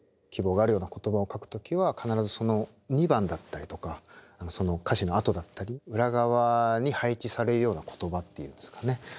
希望があるような言葉を書く時は必ずその２番だったりとかその歌詞のあとだったり裏側に配置されるような言葉っていうんですかね。